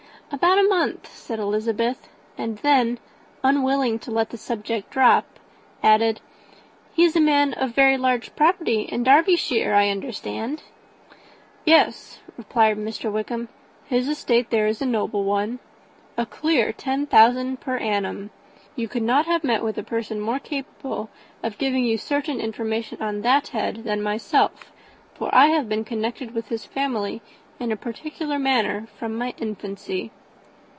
"About a month," said Elizabeth; and then, unwilling to let the subject drop, added, "he is a man of very large property in Derbyshire, I understand." "Yes," replied Wickham; "his estate there is a noble one. A clear ten thousand per annum. You could not have met with a person more capable of giving you certain information on that head than myself for I have been connected with his family, in a particular manner, from my infancy."